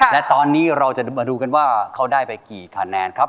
และตอนนี้เราจะมาดูกันว่าเขาได้ไปกี่คะแนนครับ